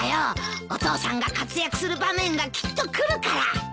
お父さんが活躍する場面がきっとくるから。